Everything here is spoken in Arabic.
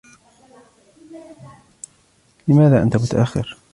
لماذا أنت متأخر ؟